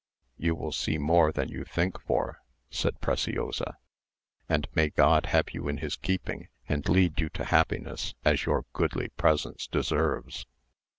"You will see more than you think for," said Preciosa; "and may God have you in his keeping, and lead you to happiness, as your goodly presence deserves."